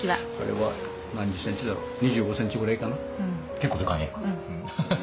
結構でかいね。